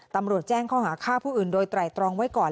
ตำรวจแจ้งข้อหาฆ่าผู้อื่นโดยไตรตรองไว้ก่อน